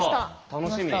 楽しみ。